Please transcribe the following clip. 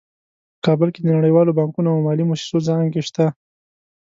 په کابل کې د نړیوالو بانکونو او مالي مؤسسو څانګې شته